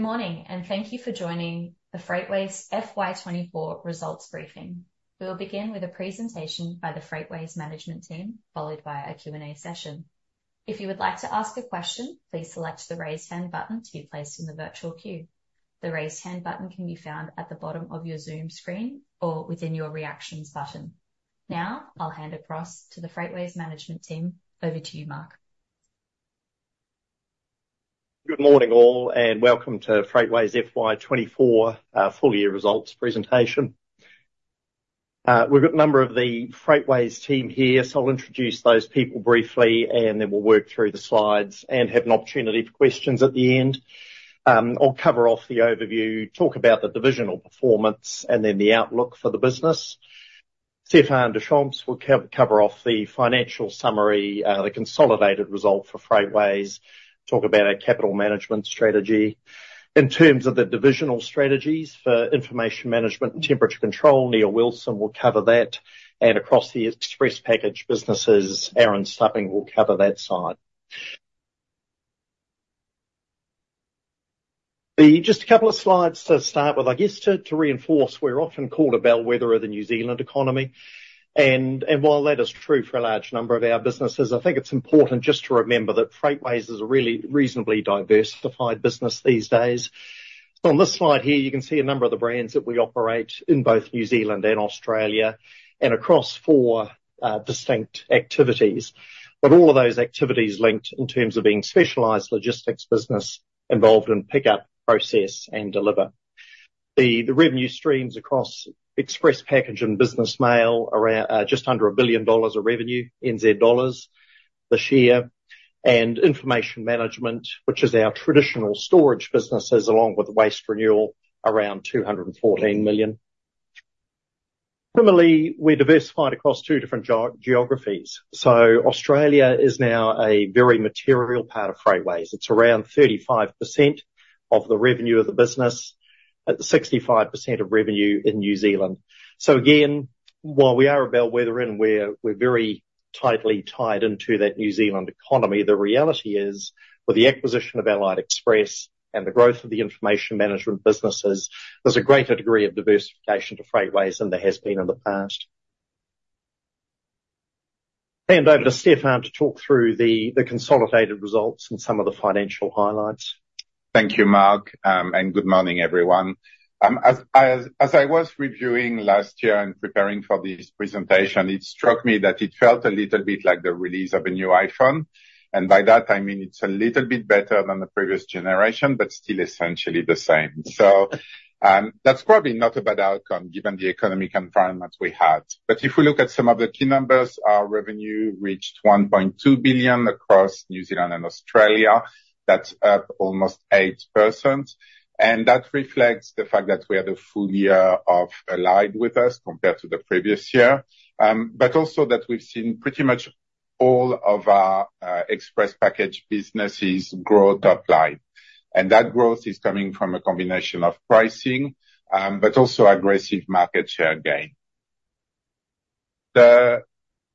Good morning, and thank you for joining the Freightways FY 2024 results briefing. We will begin with a presentation by the Freightways management team, followed by a Q&A session. If you would like to ask a question, please select the Raise Hand button to be placed in the virtual queue. The Raise Hand button can be found at the bottom of your Zoom screen or within your Reactions button. Now, I'll hand across to the Freightways management team. Over to you, Mark. Good morning, all, and welcome to Freightways' FY 2024 full year results presentation. We've got a number of the Freightways team here, so I'll introduce those people briefly, and then we'll work through the slides and have an opportunity for questions at the end. I'll cover off the overview, talk about the divisional performance, and then the outlook for the business. Stephan Deschamps will co-cover off the financial summary, the consolidated result for Freightways, talk about our capital management strategy. In terms of the divisional strategies for information management and temperature control, Neil Wilson will cover that, and across the express package businesses, Aaron Stubbing will cover that side. Just a couple of slides to start with. I guess to reinforce, we're often called a bellwether of the New Zealand economy, and while that is true for a large number of our businesses, I think it's important just to remember that Freightways is a really reasonably diversified business these days. So on this slide here, you can see a number of the brands that we operate in both New Zealand and Australia, and across four distinct activities. But all of those activities linked in terms of being specialized logistics business involved in pickup, process, and deliver. The revenue streams across express package and business mail, around just under 1 billion dollars of revenue this year. And information management, which is our traditional storage businesses, along with waste renewal, around 214 million. Similarly, we're diversified across two different geographies. Australia is now a very material part of Freightways. It's around 35% of the revenue of the business, at 65% of revenue in New Zealand. Again, while we are a bellwether, and we're very tightly tied into that New Zealand economy, the reality is, with the acquisition of Allied Express and the growth of the information management businesses, there's a greater degree of diversification to Freightways than there has been in the past. Hand over to Stephan to talk through the consolidated results and some of the financial highlights. Thank you, Mark, and good morning, everyone. As I was reviewing last year and preparing for this presentation, it struck me that it felt a little bit like the release of a new iPhone, and by that I mean it's a little bit better than the previous generation, but still essentially the same. So, that's probably not a bad outcome, given the economic environment we had. But if we look at some of the key numbers, our revenue reached 1.2 billion across New Zealand and Australia. That's up almost 8%, and that reflects the fact that we had a full year of Allied with us compared to the previous year. But also that we've seen pretty much all of our express package businesses growth apply. That growth is coming from a combination of pricing, but also aggressive market share gain.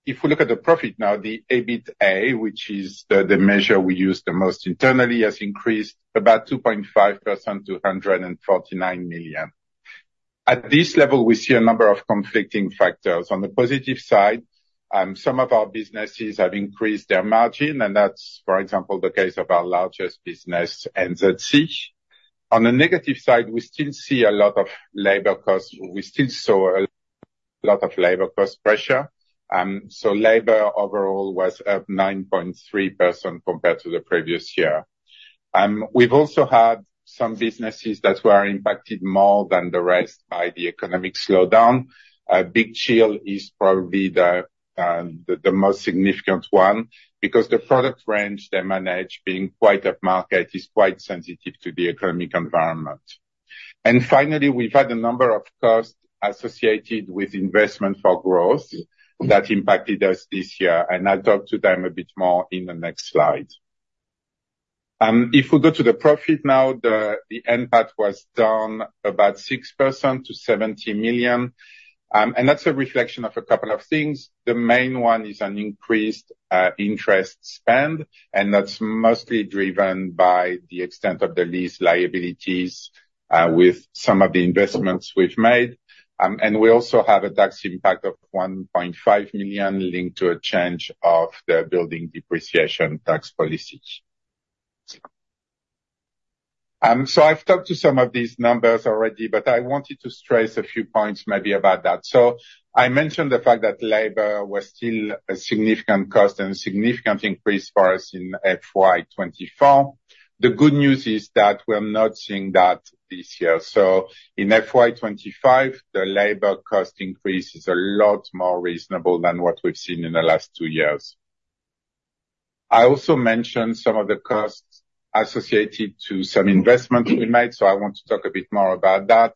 If we look at the profit now, the EBITDA, which is the measure we use the most internally, has increased about 2.5% to 149 million. At this level, we see a number of conflicting factors. On the positive side, some of our businesses have increased their margin, and that's, for example, the case of our largest business, New Zealand Couriers. On the negative side, we still see a lot of labor costs. We still saw a lot of labor cost pressure, so labor overall was up 9.3% compared to the previous year. We've also had some businesses that were impacted more than the rest by the economic slowdown. Big Chill is probably the most significant one, because the product range they manage, being quite upmarket, is quite sensitive to the economic environment. And finally, we've had a number of costs associated with investment for growth that impacted us this year, and I'll talk to them a bit more in the next slide. If we go to the profit now, the NPAT was down about 6% to 70 million, and that's a reflection of a couple of things. The main one is an increased interest spend, and that's mostly driven by the extent of the lease liabilities with some of the investments we've made. And we also have a tax impact of 1.5 million linked to a change of the building depreciation tax policies. So I've talked to some of these numbers already, but I wanted to stress a few points maybe about that. So I mentioned the fact that labor was still a significant cost and a significant increase for us in FY 2024. The good news is that we're not seeing that this year. So in FY 2025, the labor cost increase is a lot more reasonable than what we've seen in the last two years. I also mentioned some of the costs associated to some investments we made, so I want to talk a bit more about that.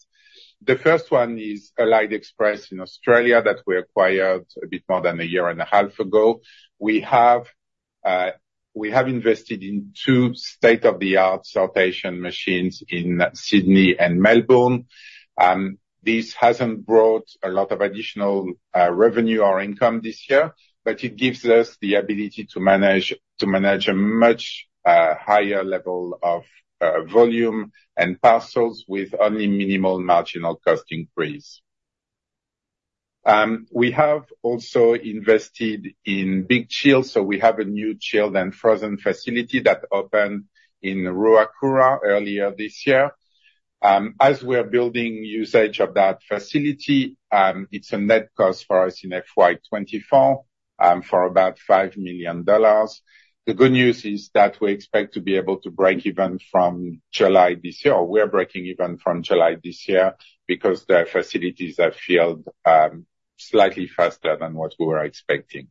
The first one is Allied Express in Australia, that we acquired a bit more than a year and a half ago. We have invested in two state-of-the-art sortation machines in Sydney and Melbourne. This hasn't brought a lot of additional revenue or income this year, but it gives us the ability to manage to manage a much higher level of volume and parcels with only minimal marginal cost increase. We have also invested in Big Chill, so we have a new chilled and frozen facility that opened in Ruakura earlier this year. As we are building usage of that facility, it's a net cost for us in FY 2024 for about 5 million dollars. The good news is that we expect to be able to break even from July this year, or we are breaking even from July this year, because the facilities have filled slightly faster than what we were expecting.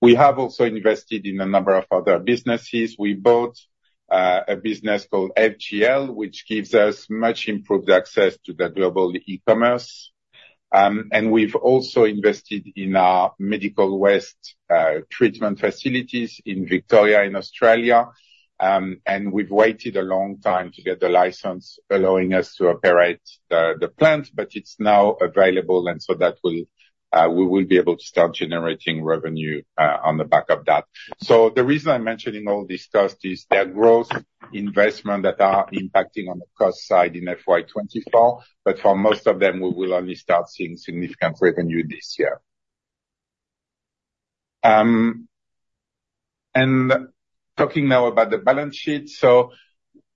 We have also invested in a number of other businesses. We bought a business called FGL, which gives us much improved access to the global e-commerce. And we've also invested in our medical waste treatment facilities in Victoria, in Australia. And we've waited a long time to get the license allowing us to operate the plant, but it's now available, and so that we will be able to start generating revenue on the back of that. So the reason I'm mentioning all this cost is, they're growth investment that are impacting on the cost side in FY 2024, but for most of them, we will only start seeing significant revenue this year. And talking now about the balance sheet. So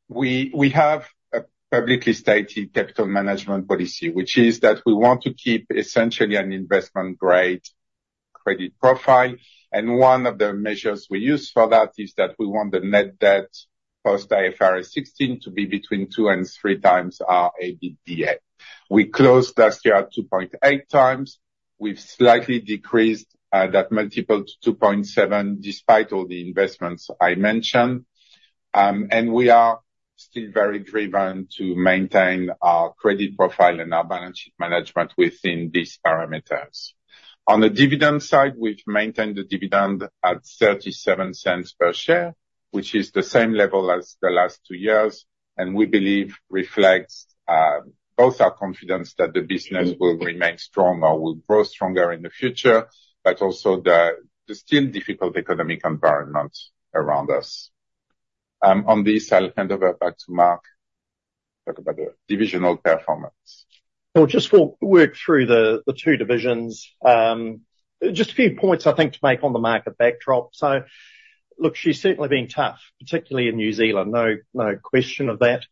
we have a publicly stated capital management policy, which is that we want to keep essentially an investment-grade credit profile, and one of the measures we use for that is that we want the net debt post IFRS 16 to be between 2x and 3x our EBITDA. We closed last year at 2.8x. We've slightly decreased that multiple to 2.7x, despite all the investments I mentioned, and we are still very driven to maintain our credit profile and our balance sheet management within these parameters. On the dividend side, we've maintained the dividend at 0.37 per share, which is the same level as the last two years, and we believe reflects both our confidence that the business will remain strong or will grow stronger in the future, but also the still difficult economic environment around us. On this, I'll hand over back to Mark to talk about the divisional performance. So just we'll work through the two divisions. Just a few points I think to make on the market backdrop. So look, it's certainly been tough, particularly in New Zealand, no, no question of that.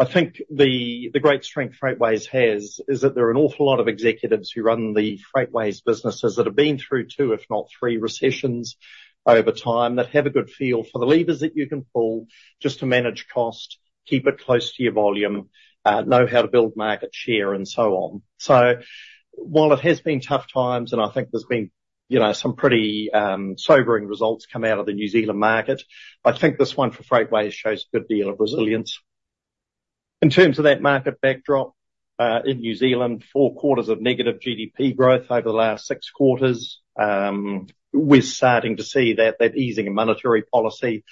I think the great strength Freightways has is that there are an awful lot of executives who run the Freightways businesses that have been through two, if not three recessions over time, that have a good feel for the levers that you can pull just to manage cost, keep it close to your volume, know how to build market share, and so on. So while it has been tough times, and I think there's been, you know, some pretty sobering results come out of the New Zealand market, I think this one for Freightways shows a good deal of resilience. In terms of that market backdrop, in New Zealand, four quarters of negative GDP growth over the last six quarters. We're starting to see that easing in monetary policy.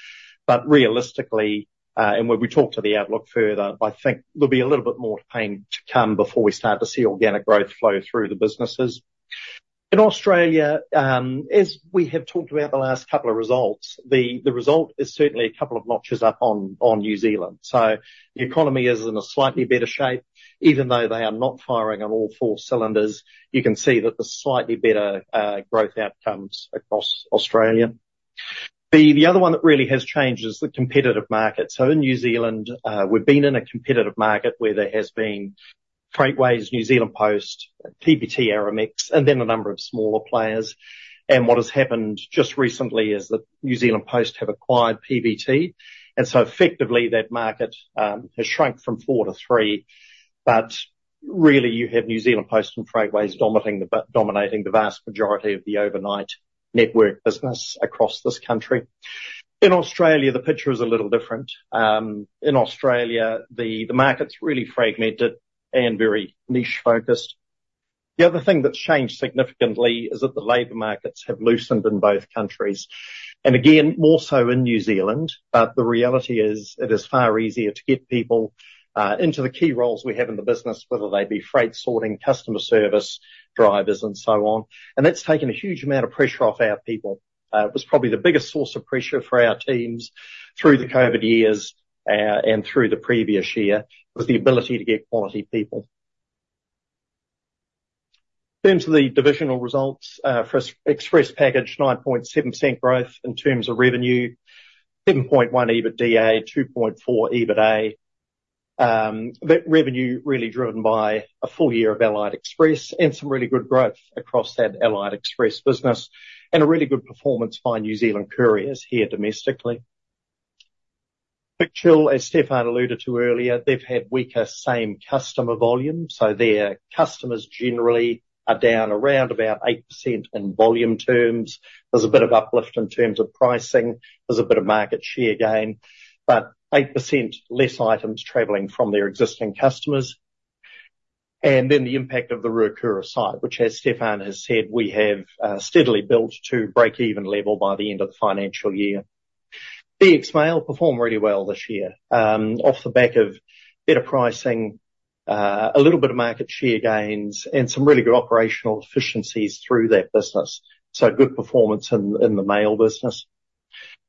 But realistically, and when we talk to the outlook further, I think there'll be a little bit more pain to come before we start to see organic growth flow through the businesses. In Australia, as we have talked about the last couple of results, the result is certainly a couple of notches up on New Zealand. So the economy is in a slightly better shape. Even though they are not firing on all four cylinders, you can see that there's slightly better growth outcomes across Australia. The other one that really has changed is the competitive market. In New Zealand, we've been in a competitive market where there has been Freightways, New Zealand Post, PBT, Aramex, and then a number of smaller players. What has happened just recently is that New Zealand Post have acquired PBT, and so effectively that market has shrunk from four to three. Really, you have New Zealand Post and Freightways dominating the vast majority of the overnight network business across this country. In Australia, the picture is a little different. In Australia, the market's really fragmented and very niche-focused. The other thing that's changed significantly is that the labor markets have loosened in both countries, and again, more so in New Zealand. But the reality is, it is far easier to get people into the key roles we have in the business, whether they be freight sorting, customer service, drivers, and so on. And that's taken a huge amount of pressure off our people. It was probably the biggest source of pressure for our teams through the COVID years and through the previous year, was the ability to get quality people. In terms of the divisional results, for Express Package, 9.7% growth in terms of revenue, 7.1 EBITDA, 2.4 EBITA. That revenue really driven by a full year of Allied Express, and some really good growth across that Allied Express business, and a really good performance by New Zealand Couriers here domestically. Big Chill, as Stephan alluded to earlier, they've had weaker same customer volumes, so their customers generally are down around about 8% in volume terms. There's a bit of uplift in terms of pricing. There's a bit of market share gain, but 8% less items traveling from their existing customers. And then the impact of the Ruakura site, which, as Stephan has said, we have steadily built to break-even level by the end of the financial year. DX Mail performed really well this year, off the back of better pricing, a little bit of market share gains, and some really good operational efficiencies through that business. So good performance in the mail business.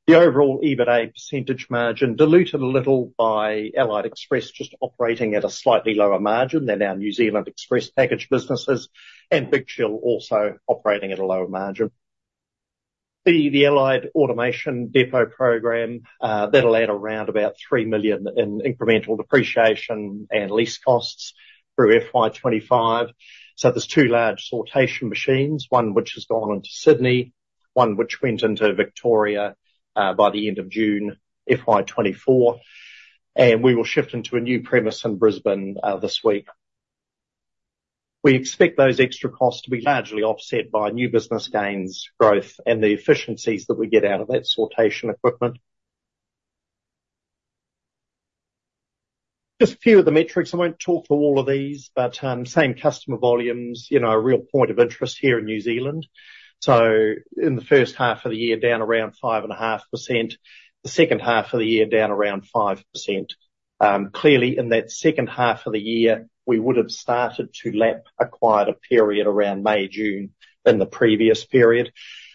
The overall EBITA percentage margin diluted a little by Allied Express, just operating at a slightly lower margin than our New Zealand Express package businesses, and Big Chill also operating at a lower margin. The Allied Automation Depot program, that'll add around about 3 million in incremental depreciation and lease costs through FY 2025. So there's two large sortation machines, one which has gone into Sydney, one which went into Victoria, by the end of June, FY 2024, and we will shift into a new premise in Brisbane, this week. We expect those extra costs to be largely offset by new business gains, growth, and the efficiencies that we get out of that sortation equipment. Just a few of the metrics. I won't talk through all of these, but, same customer volumes, you know, a real point of interest here in New Zealand. So in the first half of the year, down around 5.5%. The second half of the year, down around 5%. Clearly, in that second half of the year, we would have started to lap a quieter period around May, June, than the previous period.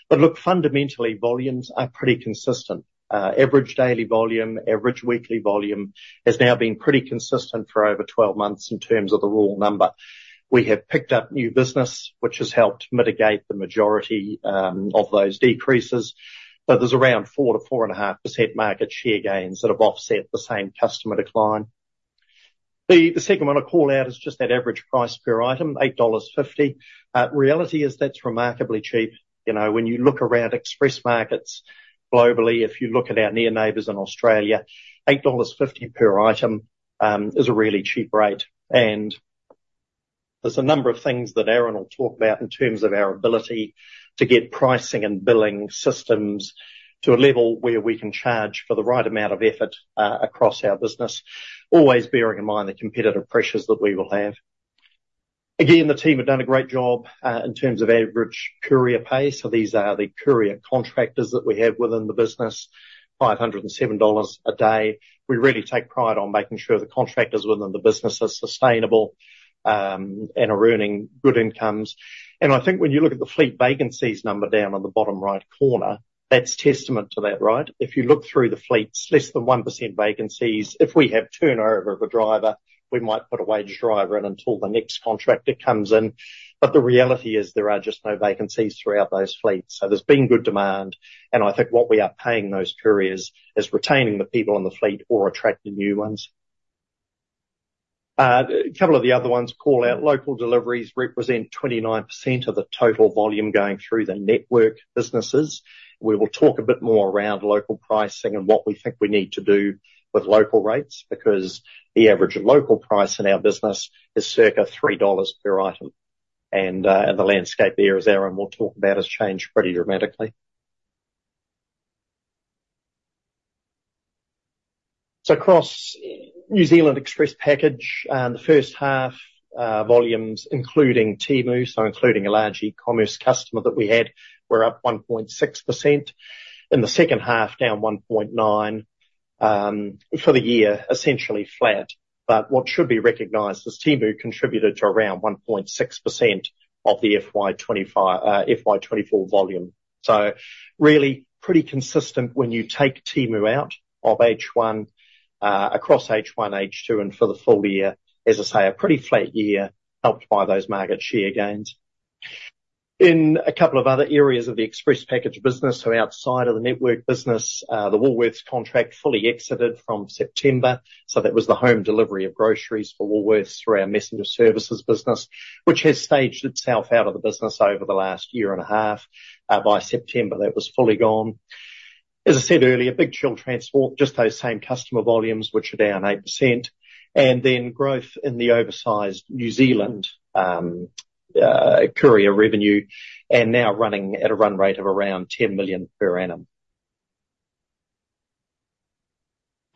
But look, fundamentally, volumes are pretty consistent. Average daily volume, average weekly volume, has now been pretty consistent for over twelve months in terms of the raw number. We have picked up new business, which has helped mitigate the majority, of those decreases, but there's around 4%-4.5% market share gains that have offset the same customer decline. The second one I call out is just that average price per item, 8.50 dollars. Reality is that's remarkably cheap. You know, when you look around express markets globally, if you look at our near neighbors in Australia, 8.50 dollars per item is a really cheap rate. And there's a number of things that Aaron will talk about in terms of our ability to get pricing and billing systems to a level where we can charge for the right amount of effort across our business. Always bearing in mind the competitive pressures that we will have. Again, the team have done a great job in terms of average courier pay. So these are the courier contractors that we have within the business, 507 dollars a day. We really take pride on making sure the contractors within the business are sustainable and are earning good incomes. I think when you look at the fleet vacancies number down on the bottom right corner, that's testament to that, right? If you look through the fleets, less than 1% vacancies. If we have turnover of a driver, we might put a wage driver in until the next contractor comes in, but the reality is there are just no vacancies throughout those fleets. So there's been good demand, and I think what we are paying those couriers is retaining the people in the fleet or attracting new ones. A couple of the other ones call out, local deliveries represent 29% of the total volume going through the network businesses. We will talk a bit more around local pricing and what we think we need to do with local rates, because the average local price in our business is circa 3 dollars per item. The landscape there, as Aaron will talk about, has changed pretty dramatically. So across New Zealand Express package, in the first half, volumes, including Temu, so including a large e-commerce customer that we had, were up 1.6%. In the second half, down 1.9%, for the year, essentially flat. But what should be recognized is Temu contributed to around 1.6% of the FY 2024 volume. So really, pretty consistent when you take Temu out of H1, across H1, H2, and for the full year. As I say, a pretty flat year, helped by those market share gains. In a couple of other areas of the express package business, so outside of the network business, the Woolworths contract fully exited from September. So that was the home delivery of groceries for Woolworths through our Messenger Services business, which has phased itself out of the business over the last year and a half. By September, that was fully gone. As I said earlier, Big Chill Transport, just those same customer volumes, which are down 8%, and then growth in the oversized New Zealand courier revenue, and now running at a run rate of around 10 million per annum.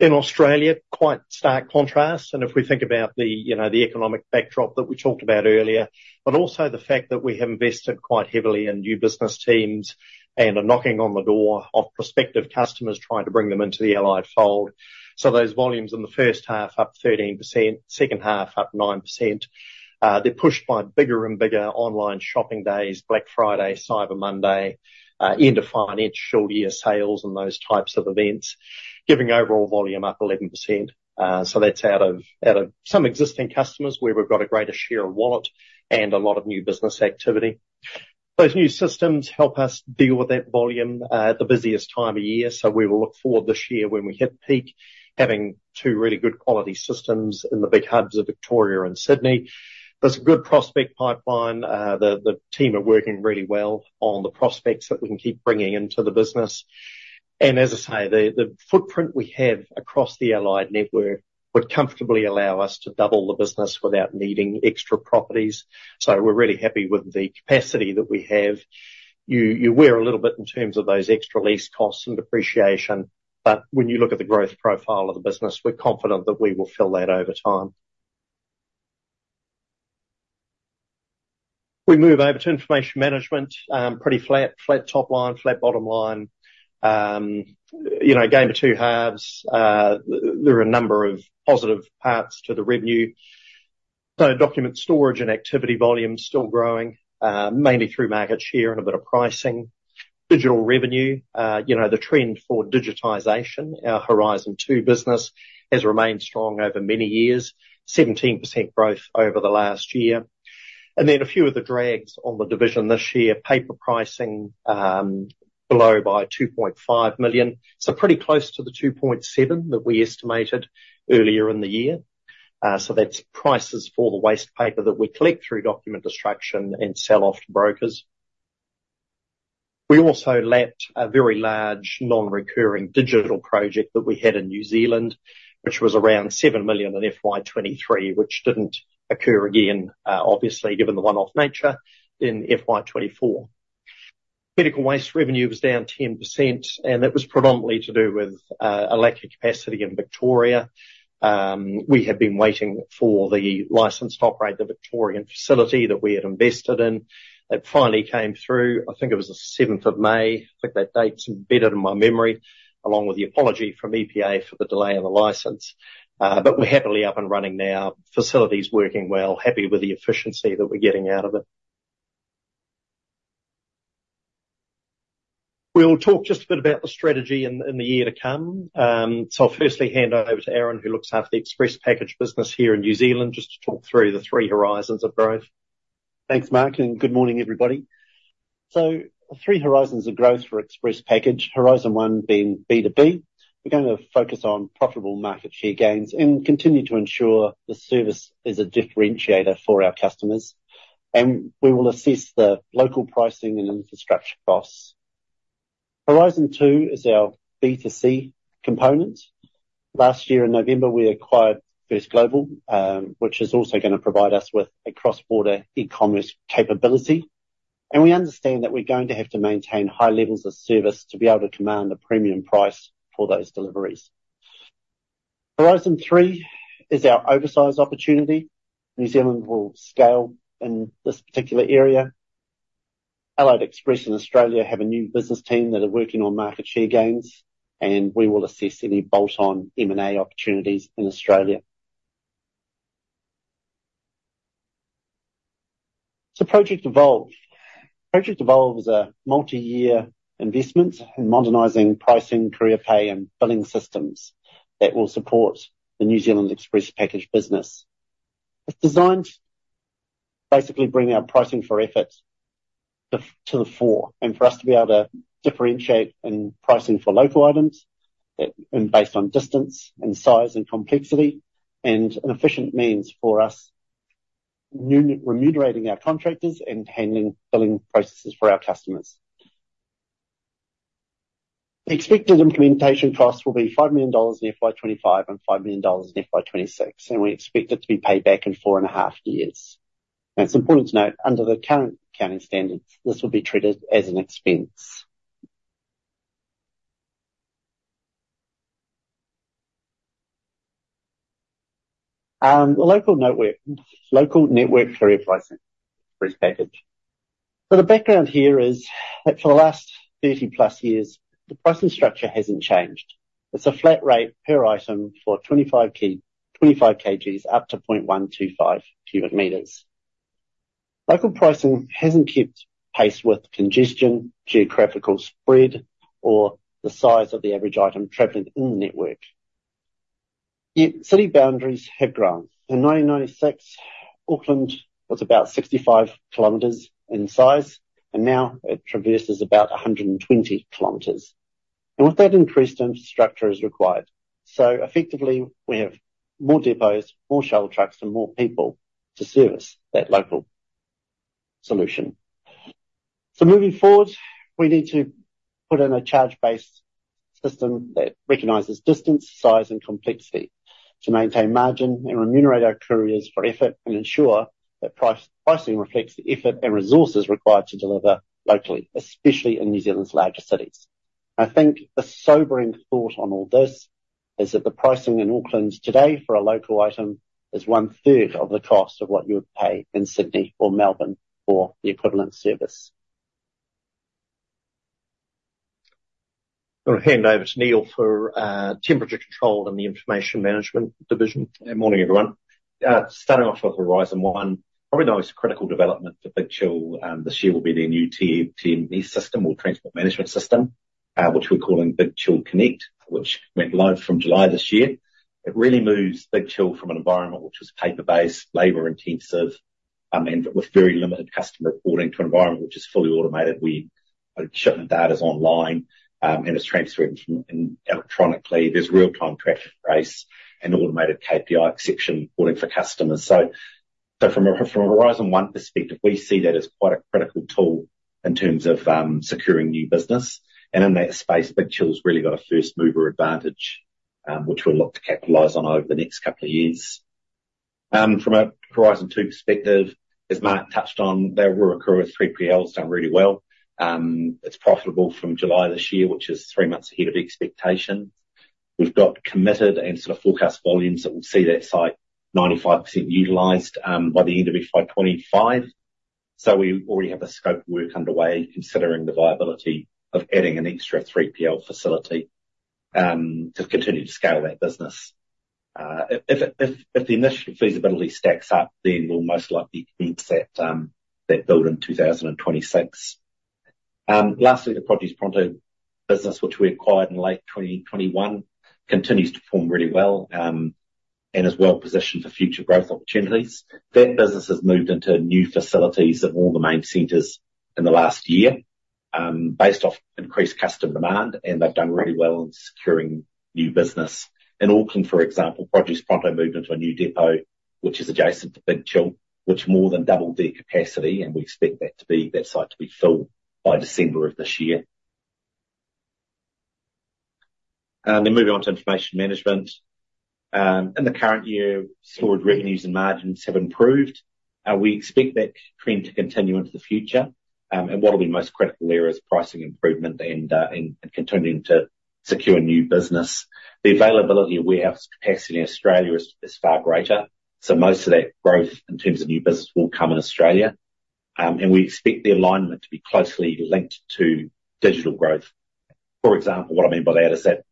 In Australia, quite stark contrast, and if we think about the, you know, the economic backdrop that we talked about earlier, but also the fact that we have invested quite heavily in new business teams, and are knocking on the door of prospective customers trying to bring them into the Allied fold. So those volumes in the first half, up 13%, second half, up 9%. They're pushed by bigger and bigger online shopping days, Black Friday, Cyber Monday, end of finance, short year sales, and those types of events, giving overall volume up 11%. So that's out of some existing customers, where we've got a greater share of wallet and a lot of new business activity. Those new systems help us deal with that volume at the busiest time of year, so we will look forward this year when we hit peak, having two really good quality systems in the big hubs of Victoria and Sydney. There's a good prospect pipeline. The team are working really well on the prospects that we can keep bringing into the business. And as I say, the footprint we have across the Allied network would comfortably allow us to double the business without needing extra properties. So we're really happy with the capacity that we have. You're aware a little bit in terms of those extra lease costs and depreciation, but when you look at the growth profile of the business, we're confident that we will fill that over time. We move over to Information Management, pretty flat. Flat top line, flat bottom line. You know, a game of two halves. There are a number of positive parts to the revenue. So document storage and activity volume is still growing, mainly through market share and a bit of pricing. Digital revenue, you know, the trend for digitization, our Horizon Two business, has remained strong over many years. 17% growth over the last year. And then a few of the drags on the division this year, paper pricing, below by 2.5 million. So pretty close to the 2.7 that we estimated earlier in the year. So that's prices for the waste paper that we collect through document destruction and sell off to brokers. We also lapped a very large non-recurring digital project that we had in New Zealand, which was around 7 million in FY 2023, which didn't occur again, obviously, given the one-off nature in FY 2024. Medical waste revenue was down 10%, and that was predominantly to do with a lack of capacity in Victoria. We had been waiting for the license to operate the Victorian facility that we had invested in. It finally came through, I think it was the seventh of May. I think that date's embedded in my memory, along with the apology from EPA for the delay in the license. But we're happily up and running now. Facility's working well, happy with the efficiency that we're getting out of it. We'll talk just a bit about the strategy in the year to come. So I'll firstly hand over to Aaron, who looks after the Express Package business here in New Zealand, just to talk through the three horizons of growth. Thanks, Mark, and good morning, everybody. The three horizons of growth for Express Package, Horizon One being B2B. We're going to focus on profitable market share gains and continue to ensure the service is a differentiator for our customers, and we will assess the local pricing and infrastructure costs. Horizon Two is our B2C component. Last year in November, we acquired First Global, which is also gonna provide us with a cross-border e-commerce capability. And we understand that we're going to have to maintain high levels of service to be able to command a premium price for those deliveries. Horizon Three is our oversized opportunity. New Zealand will scale in this particular area. Allied Express and Australia have a new business team that are working on market share gains, and we will assess any bolt-on M&A opportunities in Australia. Project Evolve. Project Evolve is a multi-year investment in modernizing pricing, courier pay, and billing systems that will support the New Zealand Express Package business. It's designed to basically bring our pricing for effort to the fore, and for us to be able to differentiate in pricing for local items, and based on distance and size and complexity, and an efficient means for us remunerating our contractors and handling billing processes for our customers. The expected implementation costs will be 5 million dollars in FY 2025 and 5 million dollars in FY 2026, and we expect it to be paid back in 4.5 years. It's important to note, under the current accounting standards, this will be treated as an expense. Local network courier pricing for this package. The background here is, that for the last 30+ years, the pricing structure hasn't changed. It's a flat rate per item for 25 kg up to 0.125m³. Local pricing hasn't kept pace with congestion, geographical spread, or the size of the average item traveling in the network. Yet, city boundaries have grown. In 1996, Auckland was about 65 km in size, and now it traverses about 120 km. And with that, increased infrastructure is required. So effectively, we have more depots, more shuttle trucks, and more people to service that local solution. Moving forward, we need to put in a charge-based system that recognizes distance, size, and complexity, to maintain margin and remunerate our couriers for effort, and ensure that pricing reflects the effort and resources required to deliver locally, especially in New Zealand's larger cities. I think the sobering thought on all this is that the pricing in Auckland today for a local item is 1/3 of the cost of what you would pay in Sydney or Melbourne for the equivalent service. I'm going to hand over to Neil for, temperature control and the information management division. Good morning, everyone. Starting off with Horizon One, probably the most critical development for Big Chill this year will be the new TMS or Transport Management System, which we're calling Big Chill Connect, which went live from July this year. It really moves Big Chill from an environment which was paper-based, labor-intensive, and with very limited customer reporting, to an environment which is fully automated, where shipment data is online and it's transferred in electronically. There's real-time tracking, pricing and automated KPI exception reporting for customers. So from a Horizon One perspective, we see that as quite a critical tool in terms of securing new business. And in that space, Big Chill's really got a first-mover advantage, which we'll look to capitalize on over the next couple of years. From a Horizon Two perspective, as Mark touched on, their rural courier, 3PL, has done really well. It's profitable from July this year, which is three months ahead of expectation. We've got committed and sort of forecast volumes that will see that site 95% utilized, by the end of FY 2025. So we already have the scope work underway, considering the viability of adding an extra 3PL facility, to continue to scale that business. If the initial feasibility stacks up, then we'll most likely commence that, that build in 2026. Lastly, the ProducePronto business, which we acquired in late 2021, continues to perform really well, and is well positioned for future growth opportunities. That business has moved into new facilities in all the main centers in the last year, based off increased customer demand, and they've done really well in securing new business. In Auckland, for example, ProducePronto moved into a new depot, which is adjacent to Big Chill, which more than doubled their capacity, and we expect that to be, that site to be filled by December of this year. Then moving on to information management. In the current year, stored revenues and margins have improved, we expect that trend to continue into the future. And what will be most critical there is pricing improvement and continuing to secure new business. The availability of warehouse capacity in Australia is far greater, so most of that growth in terms of new business will come in Australia. And we expect the alignment to be closely linked to digital growth. For example, what I mean by that is that,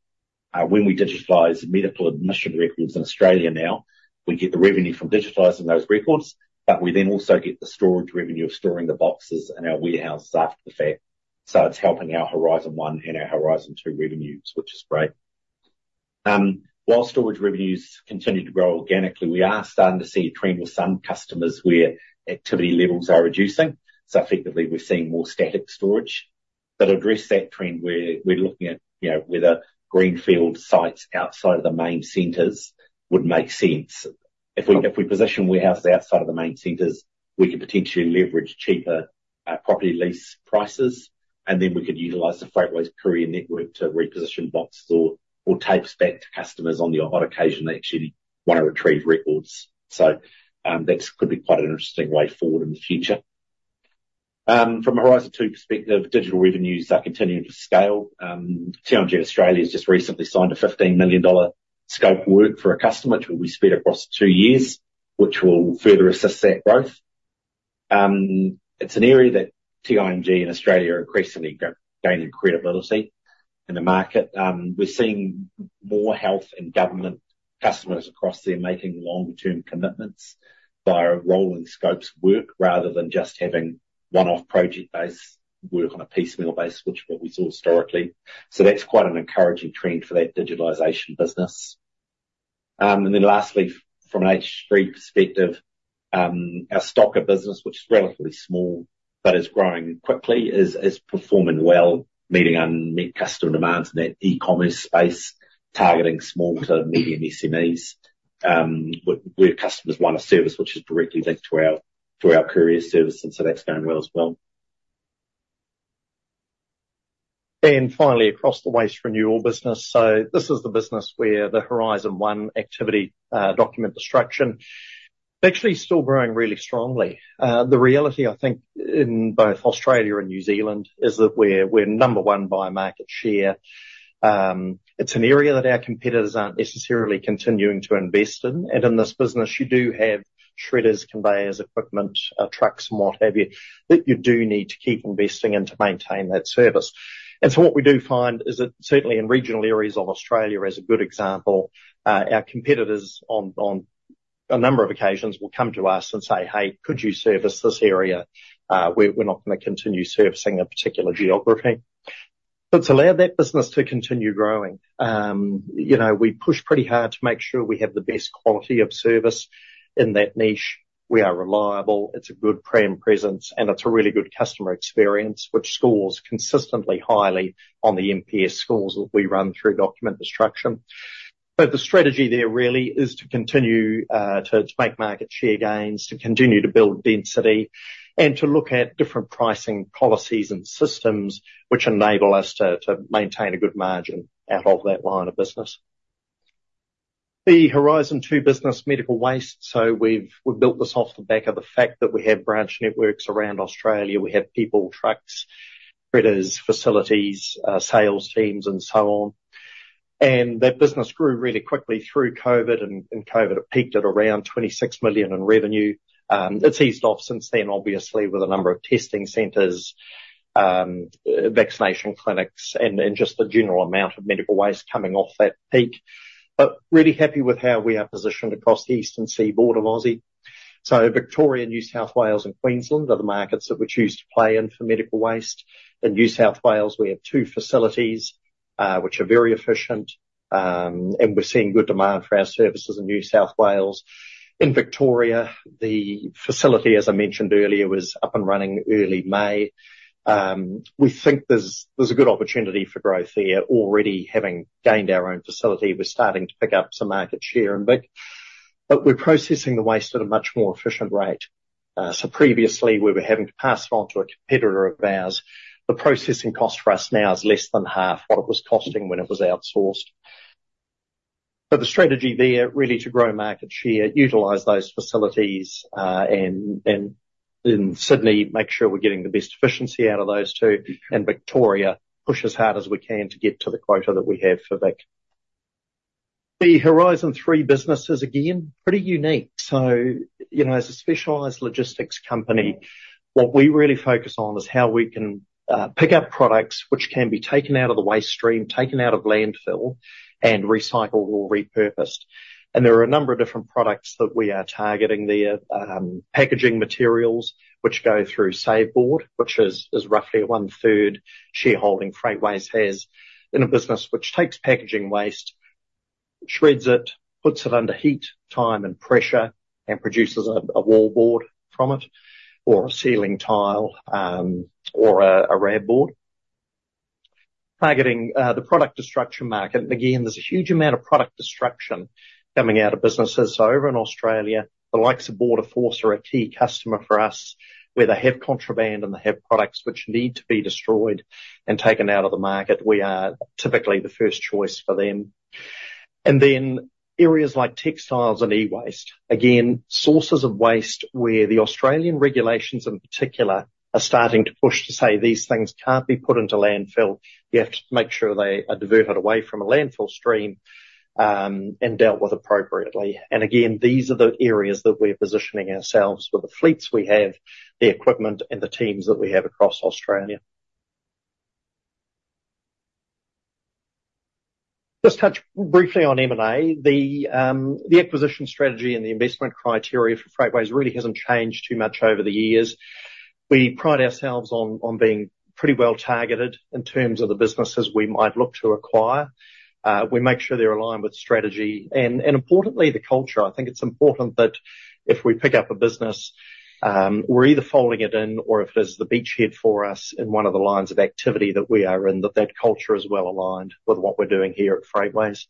when we digitize medical administrative records in Australia now, we get the revenue from digitizing those records, but we then also get the storage revenue of storing the boxes in our warehouses after the fact. So it's helping our Horizon One and our Horizon Two revenues, which is great. While storage revenues continue to grow organically, we are starting to see a trend with some customers where activity levels are reducing. So effectively, we're seeing more static storage. But to address that trend, we're looking at, you know, whether greenfield sites outside of the main centers would make sense. If we, if we position warehouses outside of the main centers, we could potentially leverage cheaper property lease prices, and then we could utilize the Freightways courier network to reposition boxes or tapes back to customers on the odd occasion they actually wanna retrieve records. So, that could be quite an interesting way forward in the future. From a Horizon Two perspective, digital revenues are continuing to scale. TIMG Australia has just recently signed a 15 million dollar scope work for a customer, which will be spread across two years, which will further assist that growth. It's an area that TIMG in Australia are increasingly gaining credibility in the market. We're seeing more health and government customers across there making longer term commitments via rolling scopes of work, rather than just having one-off project-based work on a piecemeal basis, which is what we saw historically. So that's quite an encouraging trend for that digitalization business. And then lastly, from an H3 perspective, our Stocka business, which is relatively small but is growing quickly, is performing well, meeting unmet customer demands in that e-commerce space, targeting small to medium SMEs. Where customers want a service which is directly linked to our, to our courier service, and so that's going well as well. And finally, across the waste renewal business, so this is the business where the Horizon One activity, document destruction, actually still growing really strongly. The reality, I think, in both Australia and New Zealand, is that we're number one by market share. It's an area that our competitors aren't necessarily continuing to invest in. And in this business you do have shredders, conveyors, equipment, trucks, and what have you, that you do need to keep investing in to maintain that service. And so what we do find is that certainly in regional areas of Australia, as a good example, our competitors on a number of occasions will come to us and say, "Hey, could you service this area? We're not gonna continue servicing a particular geography." It's allowed that business to continue growing. You know, we push pretty hard to make sure we have the best quality of service in that niche. We are reliable. It's a good brand presence, and it's a really good customer experience, which scores consistently highly on the NPS scores that we run through document destruction. The strategy there, really, is to continue to make market share gains, to continue to build density, and to look at different pricing policies and systems which enable us to maintain a good margin out of that line of business. The Horizon Two business, medical waste, so we've built this off the back of the fact that we have branch networks around Australia. We have people, trucks, shredders, facilities, sales teams, and so on. And that business grew really quickly through COVID, and COVID peaked at around 26 million in revenue. It's eased off since then, obviously, with a number of testing centers, vaccination clinics, and just the general amount of medical waste coming off that peak, but really happy with how we are positioned across the eastern seaboard of Aussie. So Victoria, New South Wales, and Queensland are the markets that we choose to play in for medical waste. In New South Wales we have two facilities, which are very efficient, and we're seeing good demand for our services in New South Wales. In Victoria, the facility, as I mentioned earlier, was up and running early May. We think there's a good opportunity for growth there. Already having gained our own facility, we're starting to pick up some market share in Vic, but we're processing the waste at a much more efficient rate. So previously, we were having to pass it on to a competitor of ours. The processing cost for us now is less than half what it was costing when it was outsourced. But the strategy there, really to grow market share, utilize those facilities, and in Sydney, make sure we're getting the best efficiency out of those two. And Victoria, push as hard as we can to get to the quota that we have for Vic. The Horizon 3 business is, again, pretty unique. So, you know, as a specialized logistics company, what we really focus on is how we can pick up products which can be taken out of the waste stream, taken out of landfill, and recycled or repurposed. And there are a number of different products that we are targeting there. Packaging materials, which go through SaveBoard, which is roughly 1/3 shareholding Freightways has in a business which takes packaging waste, shreds it, puts it under heat, time, and pressure, and produces a wall board from it, or a ceiling tile, or a RAB board. Targeting the product destruction market. And again, there's a huge amount of product destruction coming out of businesses. So over in Australia, the likes of Australian Border Force are a key customer for us, where they have contraband and they have products which need to be destroyed and taken out of the market. We are typically the first choice for them. And then, areas like textiles and e-waste, again, sources of waste where the Australian regulations, in particular, are starting to push to say, "These things can't be put into landfill. You have to make sure they are diverted away from a landfill stream, and dealt with appropriately." And again, these are the areas that we're positioning ourselves with the fleets we have, the equipment, and the teams that we have across Australia. Just touch briefly on M&A. The acquisition strategy and the investment criteria for Freightways really hasn't changed too much over the years. We pride ourselves on being pretty well-targeted in terms of the businesses we might look to acquire. We make sure they're aligned with strategy and, importantly, the culture. I think it's important that if we pick up a business, we're either folding it in, or if it is the beachhead for us in one of the lines of activity that we are in, that that culture is well-aligned with what we're doing here at Freightways.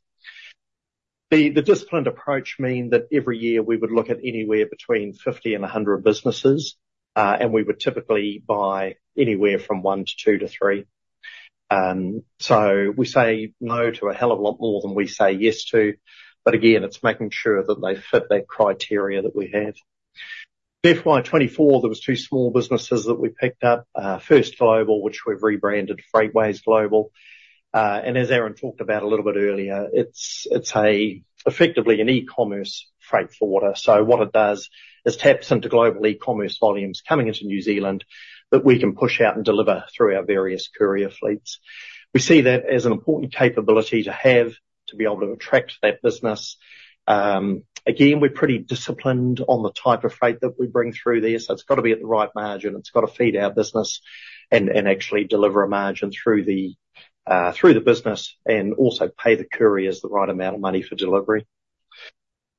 The disciplined approach mean that every year we would look at anywhere between fifty and a hundred businesses, and we would typically buy anywhere from one to two to three. So we say no to a hell of a lot more than we say yes to, but again, it's making sure that they fit that criteria that we have. FY 2024, there was two small businesses that we picked up. First Global, which we've rebranded Freightways Global, and as Aaron talked about a little bit earlier, it's effectively an e-commerce freight forwarder. So what it does is taps into global e-commerce volumes coming into New Zealand, that we can push out and deliver through our various courier fleets. We see that as an important capability to have, to be able to attract that business. Again, we're pretty disciplined on the type of freight that we bring through there, so it's got to be at the right margin, it's got to feed our business and actually deliver a margin through the business, and also pay the couriers the right amount of money for delivery.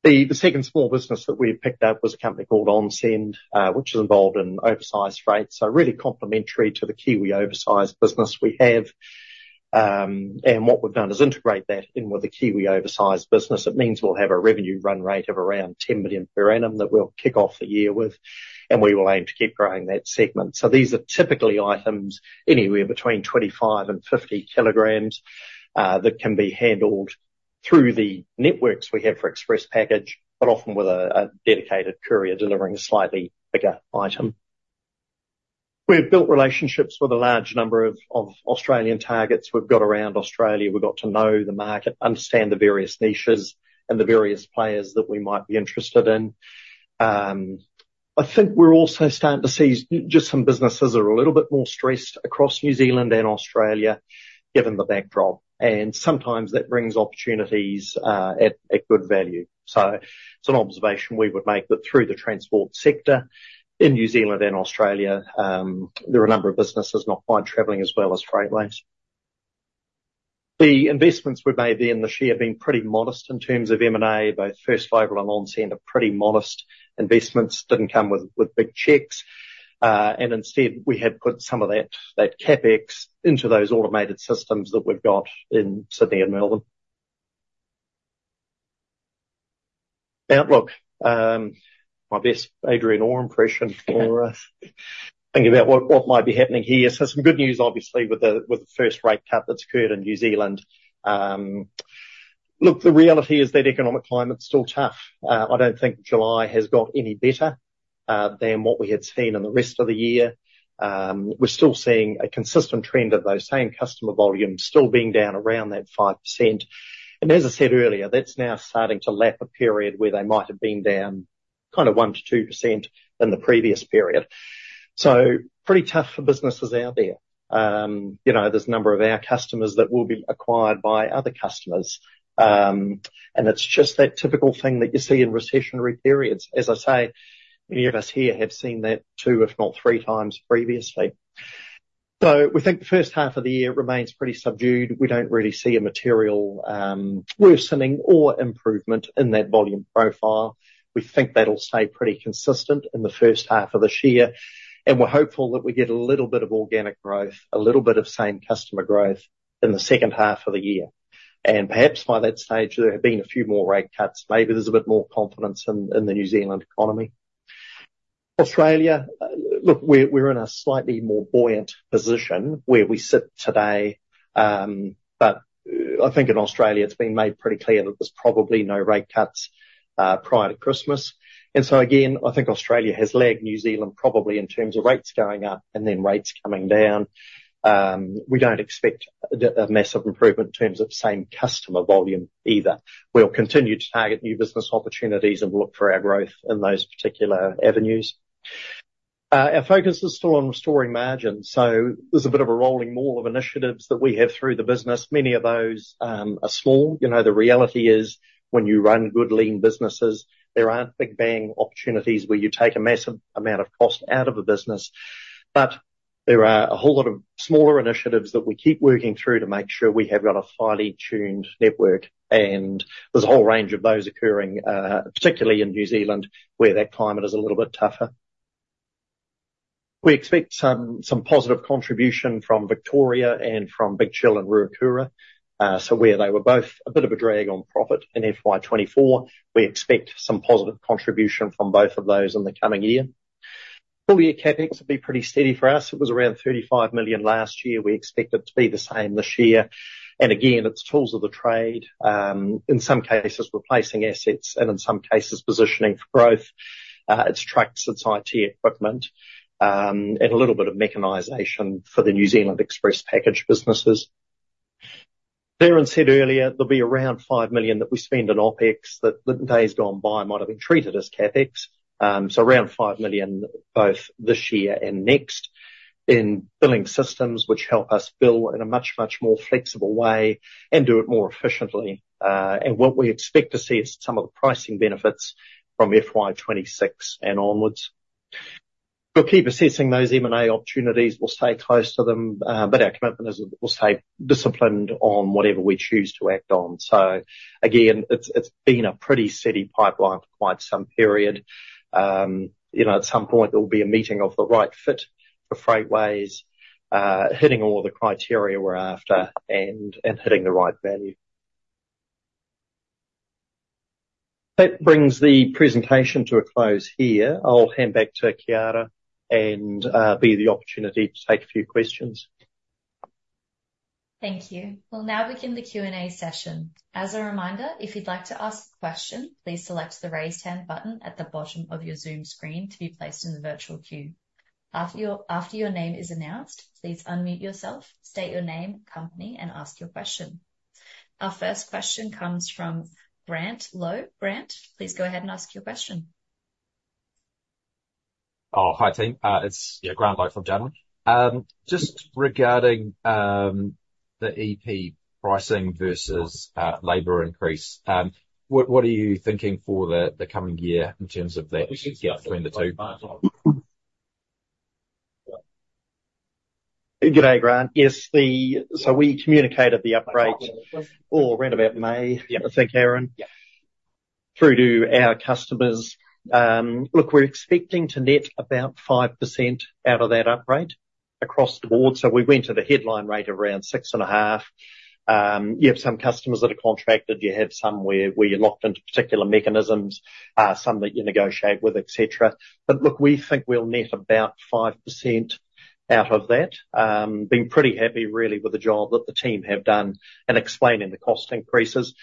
The second small business that we picked up was a company called OnSend, which is involved in oversized freight. So really complementary to the Kiwi oversized business we have. And what we've done is integrate that in with the Kiwi oversized business. It means we'll have a revenue run rate of around 10 million per annum that we'll kick off the year with, and we will aim to keep growing that segment. So these are typically items anywhere between 25 kg and 50 kg that can be handled through the networks we have for express package, but often with a dedicated courier delivering a slightly bigger item. We've built relationships with a large number of Australian targets we've got around Australia. We've got to know the market, understand the various niches, and the various players that we might be interested in. I think we're also starting to see just some businesses are a little bit more stressed across New Zealand and Australia, given the backdrop, and sometimes that brings opportunities at good value. So it's an observation we would make, that through the transport sector in New Zealand and Australia, there are a number of businesses not quite traveling as well as Freightways. The investments we've made there in this year have been pretty modest in terms of M&A. Both First Global and OnSend are pretty modest investments. Didn't come with big checks, and instead, we had put some of that CapEx into those automated systems that we've got in Sydney and Melbourne. Outlook. My best Adrian Orr impression, or thinking about what might be happening here. Some good news, obviously, with the first rate cut that's occurred in New Zealand. Look, the reality is that economic climate's still tough. I don't think July has got any better than what we had seen in the rest of the year. We're still seeing a consistent trend of those same customer volumes still being down around that 5%. And as I said earlier, that's now starting to lap a period where they might have been down kind of 1% to 2% in the previous period. So pretty tough for businesses out there. You know, there's a number of our customers that will be acquired by other customers. And it's just that typical thing that you see in recessionary periods. As I say, many of us here have seen that two, if not three times previously. So we think the first half of the year remains pretty subdued. We don't really see a material worsening or improvement in that volume profile. We think that'll stay pretty consistent in the first half of this year, and we're hopeful that we get a little bit of organic growth, a little bit of same customer growth in the second half of the year. And perhaps by that stage, there have been a few more rate cuts. Maybe there's a bit more confidence in the New Zealand economy. Australia. Look, we're in a slightly more buoyant position where we sit today, but I think in Australia, it's been made pretty clear that there's probably no rate cuts prior to Christmas. And so again, I think Australia has lagged New Zealand probably in terms of rates going up and then rates coming down. We don't expect a massive improvement in terms of same customer volume either. We'll continue to target new business opportunities and look for our growth in those particular avenues. Our focus is still on restoring margins, so there's a bit of a rolling maul of initiatives that we have through the business. Many of those are small. You know, the reality is, when you run good lean businesses, there aren't big bang opportunities where you take a massive amount of cost out of a business, but there are a whole lot of smaller initiatives that we keep working through to make sure we have got a highly tuned network, and there's a whole range of those occurring, particularly in New Zealand, where that climate is a little bit tougher. We expect some positive contribution from Victoria and from Big Chill and Ruakura. So where they were both a bit of a drag on profit in FY 2024, we expect some positive contribution from both of those in the coming year. Full year CapEx will be pretty steady for us. It was around 35 million last year. We expect it to be the same this year, and again, it's tools of the trade. In some cases, replacing assets, and in some cases, positioning for growth. It's trucks, it's IT equipment, and a little bit of mechanization for the New Zealand Express Package businesses. Darren said earlier, there'll be around 5 million that we spend in OpEx, that in days gone by, might have been treated as CapEx. So around 5 million, both this year and next, in billing systems, which help us bill in a much, much more flexible way and do it more efficiently. And what we expect to see is some of the pricing benefits from FY 2026 and onwards. We'll keep assessing those M&A opportunities. We'll stay close to them, but our commitment is we'll stay disciplined on whatever we choose to act on. So again, it's been a pretty steady pipeline for quite some period. You know, at some point there will be a meeting of the right fit for Freightways, hitting all the criteria we're after and hitting the right value. That brings the presentation to a close here. I'll hand back to Kiara, and there'll be the opportunity to take a few questions. Thank you. We'll now begin the Q&A session. As a reminder, if you'd like to ask a question, please select the Raise Hand button at the bottom of your Zoom screen to be placed in the virtual queue. After your name is announced, please unmute yourself, state your name, company, and ask your question. Our first question comes from Grant Lowe. Grant, please go ahead and ask your question. Oh, hi, team. It's yeah, Grant Lowe from Jarden. Just regarding the EP pricing versus labor increase, what are you thinking for the coming year in terms of that gap between the two? Good day, Grant. Yes, so we communicated the upgrade, oh, around about May, yeah, I think, Aaron? Yeah. Through to our customers. Look, we're expecting to net about 5% out of that upgrade across the board. So we went at a headline rate around six and a half. You have some customers that are contracted, you have some where you're locked into particular mechanisms, some that you negotiate with, etc. But look, we think we'll net about 5% out of that. Been pretty happy really with the job that the team have done in explaining the cost increases.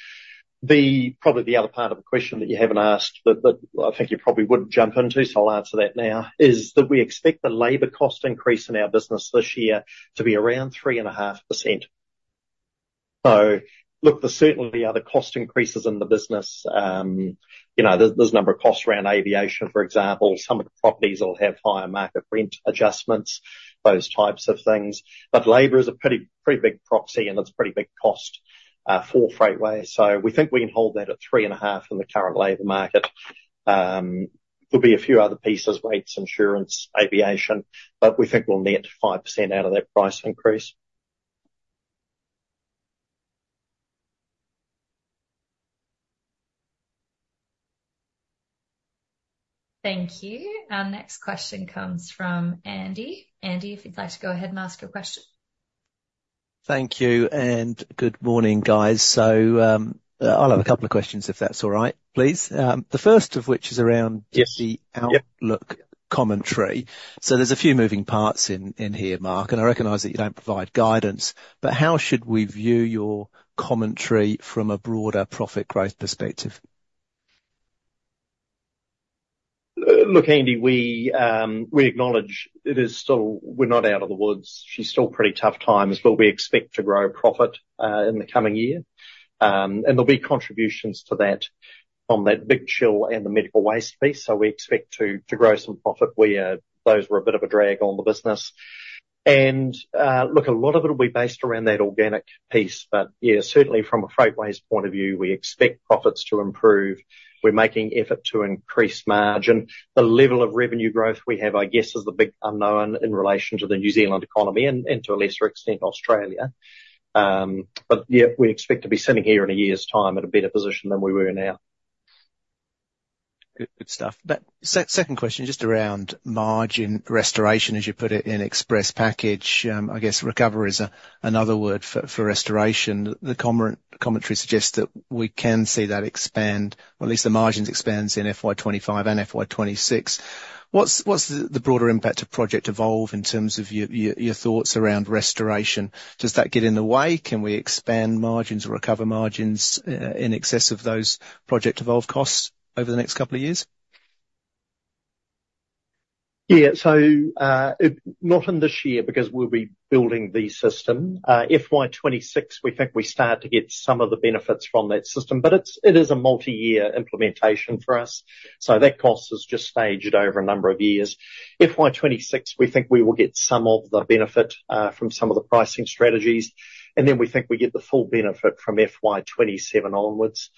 Probably the other part of the question that you haven't asked, but I think you probably would jump into, so I'll answer that now, is that we expect the labor cost increase in our business this year to be around 3.5%. So look, there certainly are other cost increases in the business. You know, there's a number of costs around aviation, for example. Some properties will have higher market rent adjustments, those types of things, but labor is a pretty big proxy, and it's a pretty big cost for Freightways. So we think we can hold that at 3.5% in the current labor market. There'll be a few other pieces, rates, insurance, aviation, but we think we'll net 5% out of that price increase. Thank you. Our next question comes from Andy. Andy, if you'd like to go ahead and ask your question. Thank you, and good morning, guys. I'll have a couple of questions, if that's all right, please. The first of which is around- Yes. Just the outlook commentary. So there's a few moving parts in here, Mark, and I recognize that you don't provide guidance, but how should we view your commentary from a broader profit growth perspective? Look, Andy, we acknowledge it is still, we're not out of the woods. She's still pretty tough times, but we expect to grow profit in the coming year. And there'll be contributions to that from that Big Chill and the medical waste piece, so we expect to grow some profit. We, those were a bit of a drag on the business. And look, a lot of it will be based around that organic piece, but yeah, certainly from a Freightways point of view, we expect profits to improve. We're making effort to increase margin. The level of revenue growth we have, I guess, is the big unknown in relation to the New Zealand economy and to a lesser extent, Australia. But yeah, we expect to be sitting here in a year's time in a better position than we were now. Good, good stuff. But second question, just around margin restoration, as you put it, in express package. I guess recovery is another word for restoration. The commentary suggests that we can see that expand, or at least the margins expands in FY 2025 and FY 2026. What's the broader impact of Project Evolve in terms of your thoughts around restoration? Does that get in the way? Can we expand margins or recover margins in excess of those Project Evolve costs over the next couple of years? Yeah. So, it's not in this year, because we'll be building the system. FY 2026, we think we start to get some of the benefits from that system, but it is a multi-year implementation for us, so that cost is just staged over a number of years. FY 2026, we think we will get some of the benefit from some of the pricing strategies, and then we think we get the full benefit from FY 2027 onwards.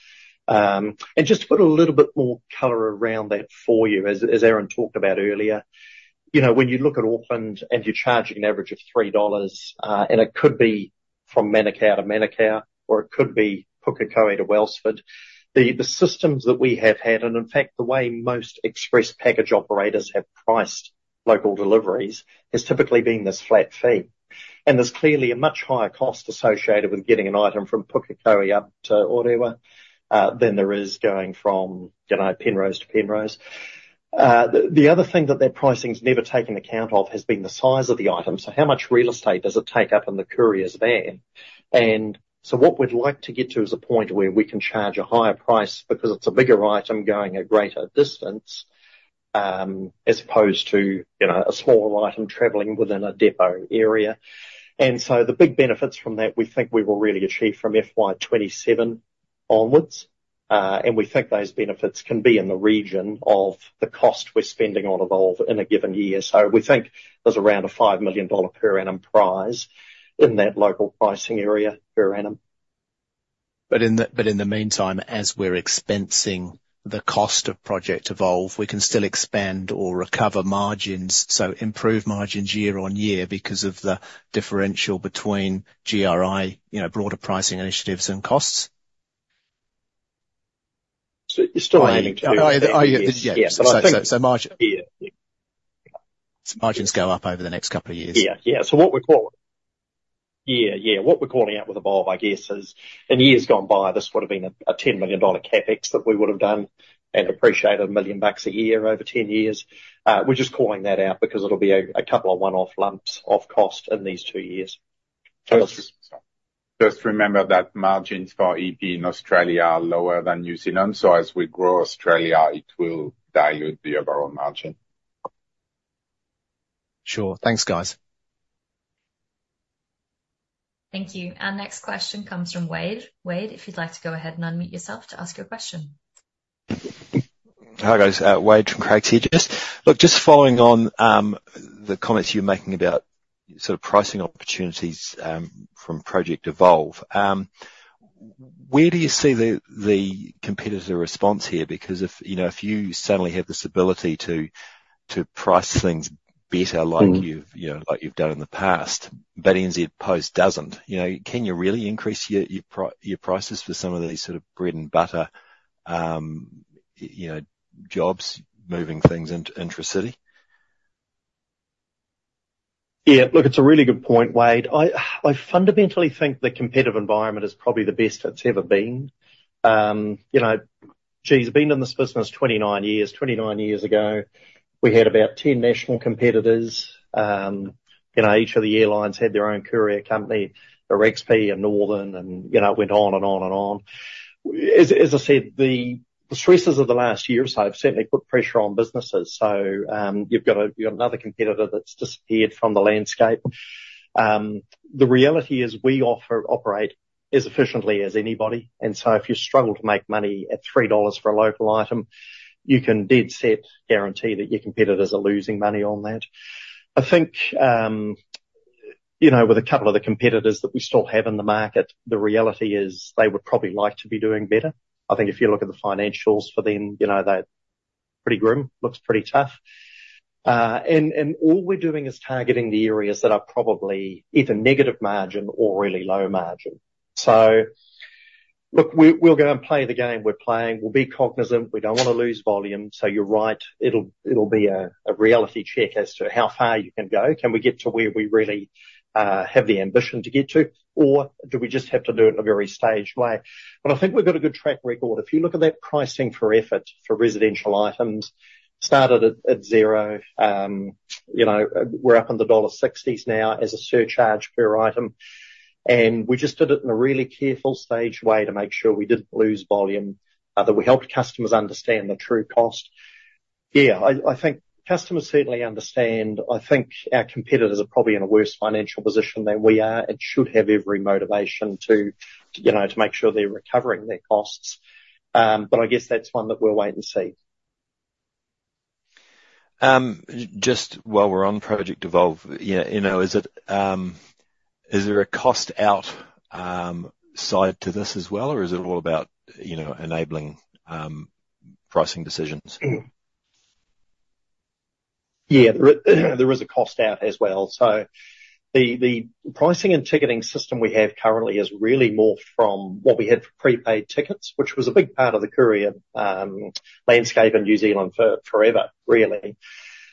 And just to put a little bit more color around that for you, as Aaron talked about earlier, you know, when you look at Auckland, and you're charging an average of 3 dollars, and it could be from Manukau to Manukau, or it could be Pukekohe to Wellsford, the systems that we have had, and in fact, the way most express package operators have priced local deliveries, has typically been this flat fee. And there's clearly a much higher cost associated with getting an item from Pukekohe up to Orewa, than there is going from, you know, Penrose to Penrose. The other thing that their pricing's never taken account of, has been the size of the item. So how much real estate does it take up in the courier's van? And so what we'd like to get to is a point where we can charge a higher price, because it's a bigger item going a greater distance, as opposed to, you know, a smaller item traveling within a depot area. And so the big benefits from that, we think we will really achieve from FY 2027 onwards. And we think those benefits can be in the region of the cost we're spending on Evolve in a given year. So we think there's around a 5 million dollar per annum prize in that local pricing area, per annum. But in the meantime, as we're expensing the cost of Project Evolve, we can still expand or recover margins, so improve margins year on year, because of the differential between GRI, you know, broader pricing initiatives and costs. So margins go up over the next couple of years? So what we're calling out with Evolve, I guess, is, in years gone by, this would've been a 10 million dollar CapEx that we would've done, and appreciated 1 million bucks a year over 10 years. We're just calling that out, because it'll be a couple of one-off lumps of cost in these two years. Just remember that margins for EP in Australia are lower than New Zealand, so as we grow Australia, it will dilute the overall margin. Sure. Thanks, guys. Thank you. Our next question comes from Wade. Wade, if you'd like to go ahead and unmute yourself to ask your question. Hi, guys, Wade from Craigs. Just look, just following on, the comments you're making about sort of pricing opportunities, from Project Evolve. Where do you see the, the competitor response here? Because if, you know, if you suddenly have this ability to, to price things better. Like you've, you know, like you've done in the past, but NZ Post doesn't, you know, can you really increase your prices for some of these sort of bread and butter, you know, jobs, moving things intra-city? Yeah. Look, it's a really good point, Wade. I fundamentally think the competitive environment is probably the best it's ever been. You know, geez, been in this business 29 years. 29 years ago, we had about 10 national competitors. You know, each of the airlines had their own courier company, XP and Northern, and, you know, it went on, and on, and on. As I said, the stresses of the last year or so have certainly put pressure on businesses, so you've got another competitor that's disappeared from the landscape. The reality is, we operate as efficiently as anybody, and so if you struggle to make money at 3 dollars for a local item, you can dead set guarantee that your competitors are losing money on that. I think, you know, with a couple of the competitors that we still have in the market, the reality is, they would probably like to be doing better. I think if you look at the financials for them, you know, they're pretty grim, looks pretty tough. And all we're doing is targeting the areas that are probably either negative margin or really low margin. So look, we're gonna play the game we're playing. We'll be cognizant. We don't wanna lose volume. So you're right, it'll be a reality check as to how far you can go. Can we get to where we really have the ambition to get to, or do we just have to do it in a very staged way? But I think we've got a good track record. If you look at that pricing for effort, for residential items, started at zero. You know, we're up in the dollar sixties now as a surcharge per item. And we just did it in a really careful, staged way to make sure we didn't lose volume, that we helped customers understand the true cost. Yeah, I think customers certainly understand. I think our competitors are probably in a worse financial position than we are, and should have every motivation to, you know, to make sure they're recovering their costs. But I guess that's one that we'll wait and see. Just while we're on Project Evolve, yeah, you know, is it, is there a cost side to this as well? Or is it all about, you know, enabling pricing decisions? Yeah, there is a cost out as well. So the pricing and ticketing system we have currently is really more from what we had for prepaid tickets, which was a big part of the courier landscape in New Zealand for forever, really.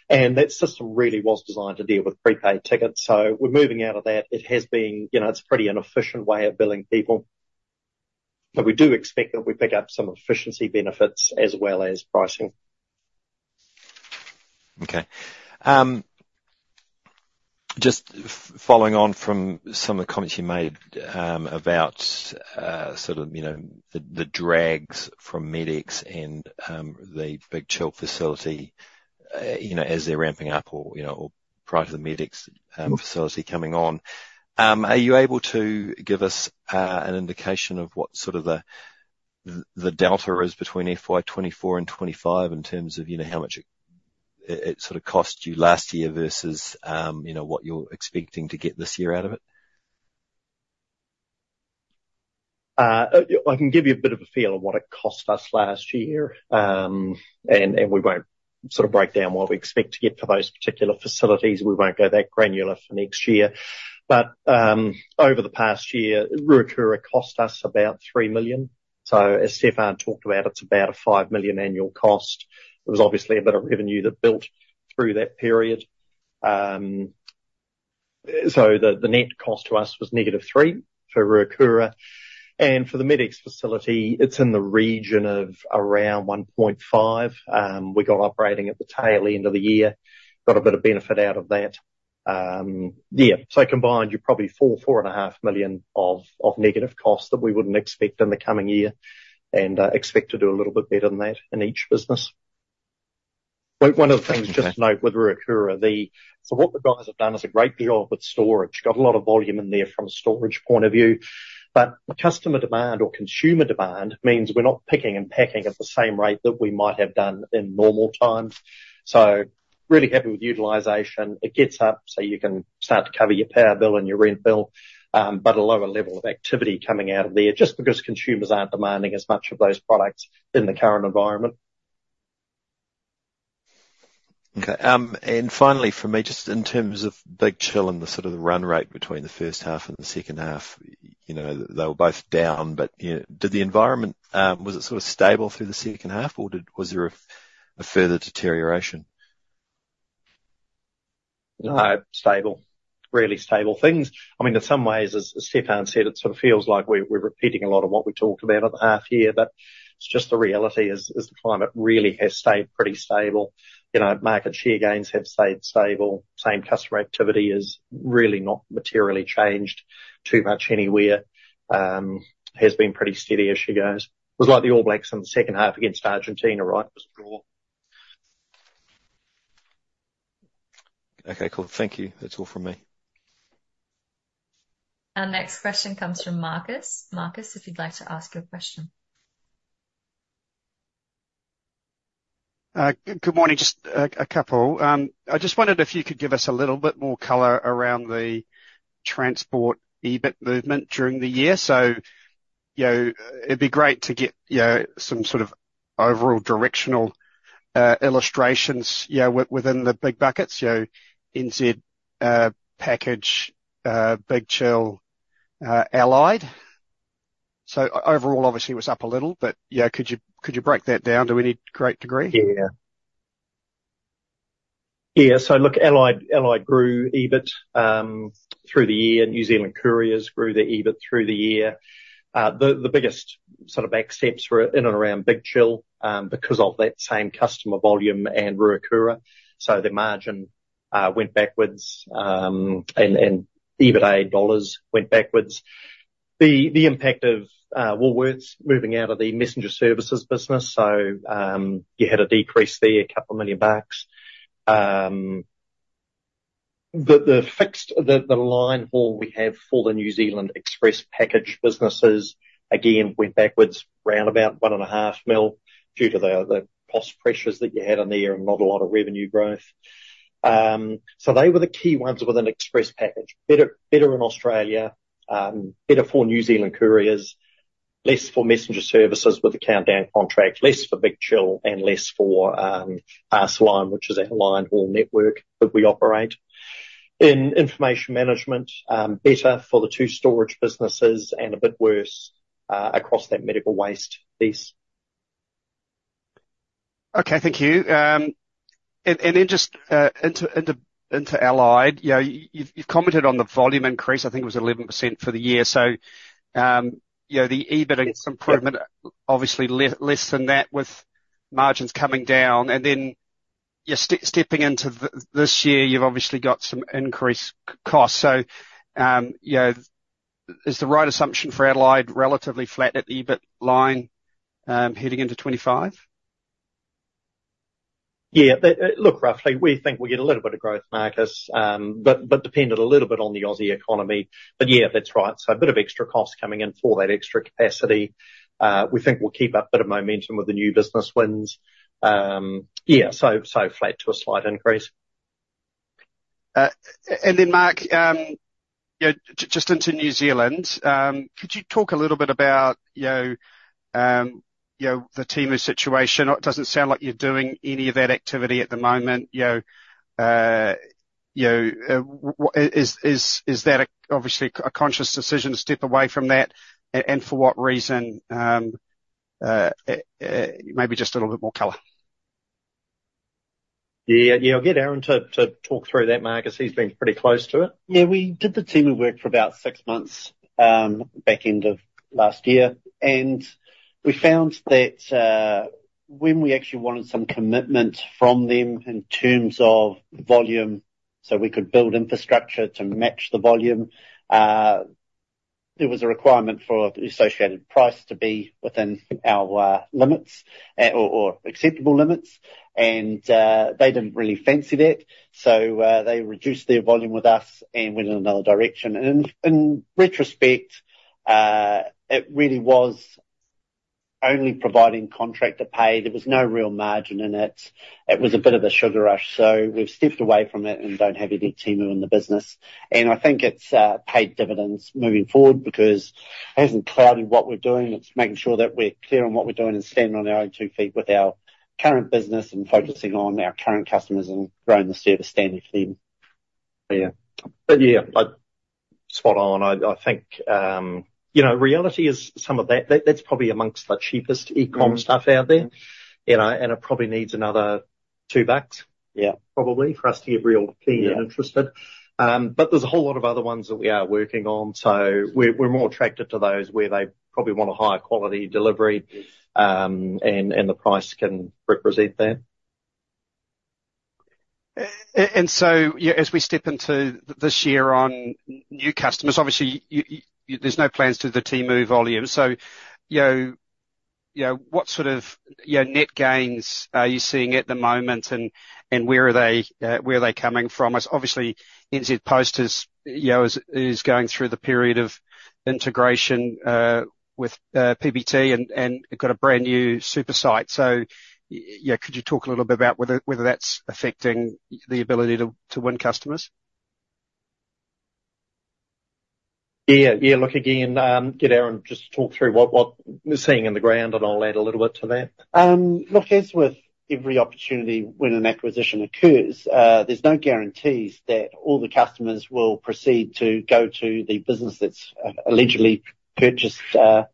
And that system really was designed to deal with prepaid tickets, so we're moving out of that. It has been. You know, it's pretty inefficient way of billing people. But we do expect that we pick up some efficiency benefits as well as pricing. Okay. Just following on from some of the comments you made, about, sort of, you know, the drags from Med-X and, the Big Chill facility, you know, as they're ramping up or, you know, or prior to the Med-X, facility coming on. Are you able to give us, an indication of what sort of the, the delta is between FY 2024 and FY 2025 in terms of, you know, how much it sort of cost you last year versus, you know, what you're expecting to get this year out of it? I can give you a bit of a feel of what it cost us last year. And we won't sort of break down what we expect to get for those particular facilities. We won't go that granular for next year. But over the past year, Ruakura cost us about 3 million. So as Stephan talked about, it's about a 5 million annual cost. There was obviously a bit of revenue that built through that period. So the net cost to us was negative 3 million for Ruakura, and for the Med-X facility, it's in the region of around 1.5 million. We got operating at the tail end of the year. Got a bit of benefit out of that. Yeah, so combined, you're probably 4-4.5 million of negative cost that we wouldn't expect in the coming year and expect to do a little bit better than that in each business. One of the things just to note with Ruakura, so what the guys have done is a great deal with storage. Got a lot of volume in there from a storage point of view, but customer demand or consumer demand means we're not picking and packing at the same rate that we might have done in normal times. So really happy with utilization. It gets up, so you can start to cover your power bill and your rent bill, but a lower level of activity coming out of there, just because consumers aren't demanding as much of those products in the current environment. Okay, and finally for me, just in terms of Big Chill and the sort of the run rate between the first half and the second half, you know, they were both down, but, you know, did the environment, was it sort of stable through the second half, or was there a further deterioration? No, stable. Really stable things. I mean, in some ways, as Stephan said, it sort of feels like we're repeating a lot of what we talked about at the half year, but it's just the reality is the climate really has stayed pretty stable. You know, market share gains have stayed stable. Same customer activity is really not materially changed too much anywhere. Has been pretty steady as she goes. It was like the All Blacks in the second half against Argentina, right? It was draw. Okay, cool. Thank you. That's all from me. Our next question comes from Marcus. Marcus, if you'd like to ask your question. Good morning. Just a couple. I just wondered if you could give us a little bit more color around the transport EBIT movement during the year. So, you know, it'd be great to get, you know, some sort of overall directional illustrations, you know, within the big buckets, you know, NZ Package, Big Chill, Allied. So overall, obviously it was up a little, but yeah, could you break that down to any great degree? Yeah, so look, Allied grew EBIT through the year, and New Zealand Couriers grew their EBIT through the year. The biggest sort of backsteps were in and around Big Chill, because of that same customer volume and Ruakura. So the margin went backwards, and EBITA dollars went backwards. The impact of Woolworths moving out of the messenger services business, so you had a decrease there, 2 million bucks. The fixed line haul we have for the New Zealand Express Package businesses, again, went backwards around about 1.5 million, due to the cost pressures that you had on there and not a lot of revenue growth. So they were the key ones within Express Package. Better, better in Australia, better for New Zealand Couriers, less for messenger services with the Countdown contract, less for Big Chill, and less for Parceline, which is our line haul network that we operate. In information management, better for the two storage businesses and a bit worse across that medical waste piece. Okay, thank you. And then just into Allied, you know, you've commented on the volume increase, I think it was 11% for the year. So, you know, the EBIT improvement obviously less than that, with margins coming down, and then you're stepping into this year, you've obviously got some increased costs. So, you know, is the right assumption for Allied relatively flat at the EBIT line, heading into 2025? Yeah, they look, roughly, we think we'll get a little bit of growth, Marcus, but dependent a little bit on the Aussie economy. But yeah, that's right. So a bit of extra cost coming in for that extra capacity. We think we'll keep up a bit of momentum with the new business wins. Yeah, so flat to a slight increase. And then, Mark, you know, just into New Zealand, could you talk a little bit about, you know, the Temu situation? It doesn't sound like you're doing any of that activity at the moment, you know, is that obviously a conscious decision to step away from that, and for what reason? Maybe just a little bit more color. Yeah, I'll get Aaron to talk through that, Marcus. He's been pretty close to it. Yeah, we did a ton of work for about six months, back end of last year, and we found that, when we actually wanted some commitment from them in terms of volume, so we could build infrastructure to match the volume, there was a requirement for the associated price to be within our limits, or acceptable limits. They didn't really fancy that, so they reduced their volume with us and went in another direction. In retrospect, it really was only providing contractor pay. There was no real margin in it. It was a bit of a sugar rush, so we've stepped away from it and don't have any Temu in the business. I think it's paid dividends moving forward because it hasn't clouded what we're doing. It's making sure that we're clear on what we're doing and standing on our own two feet with our current business and focusing on our current customers and growing the service standard for them. Yeah. But yeah, spot on. I think, you know, reality is some of that that's probably amongst the cheapest e-com stuff out there, you know, and it probably needs another two bucks. Yeah. Probably, for us to get real keen and interested. But there's a whole lot of other ones that we are working on, so we're more attracted to those where they probably want a higher quality delivery, and the price can represent that. And so, yeah, as we step into this year on new customers, obviously there's no plans to the Temu volume. So, you know, yeah, what sort of, yeah, net gains are you seeing at the moment, and where are they coming from? As obviously, NZ Post is, you know, going through the period of integration with PBT and got a brand new super site. So yeah, could you talk a little bit about whether that's affecting the ability to win customers? Yeah, look again, get Aaron just to talk through what we're seeing on the ground, and I'll add a little bit to that. Look, as with every opportunity when an acquisition occurs, there's no guarantees that all the customers will proceed to go to the business that's allegedly purchased their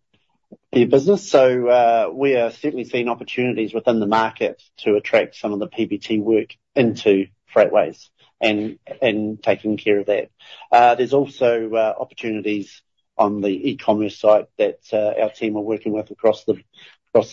business. So, we are certainly seeing opportunities within the market to attract some of the PBT work into Freightways and taking care of that. There's also opportunities on the e-commerce site that our team are working with across the